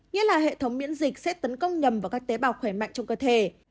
nghĩa là hệ thống miễn dịch sẽ tấn công nhầm vào các tế bào khỏe mạnh trong cơ thể